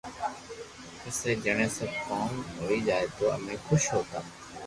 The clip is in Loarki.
پسي جڻي سب ڪوم ھوئي جاتو تو امي خوݾ ھوتا